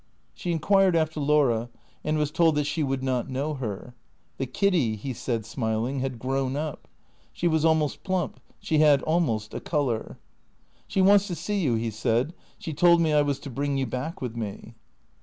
She inquired after Laura, and was told that she would not know her. The Kiddy, he said, smiling, had grown up. She was almost plump ; she had almost a colour. " She wants to see you," he said. " She told me I was to bring you back with me."